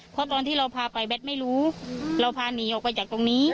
เพราะตอนที่เราพาไปแบทไม่รู้เราพาหนีออกไปจากตรงนี้